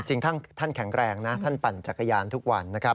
จริงท่านแข็งแรงนะท่านปั่นจักรยานทุกวันนะครับ